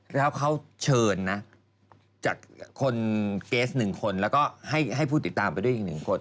แล้วเขาเชิญนะจากคนเกส๑คนแล้วก็ให้ผู้ติดตามไปด้วยอีก๑คน